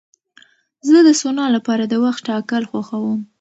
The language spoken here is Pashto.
زه د سونا لپاره د وخت ټاکل خوښوم.